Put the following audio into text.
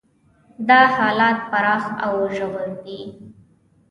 دا حالات پراخ او ژور دي.